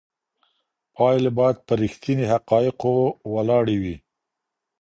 پایلي باید پر رښتیني حقایقو وولاړي وي.